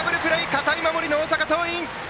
堅い守りの大阪桐蔭。